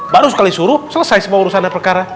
baru sekali suruh selesai semua urusan dan perkara